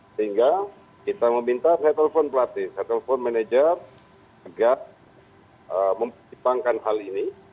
sehingga kita meminta saya telpon pelatih saya telpon manajer agar memperciptakan hal ini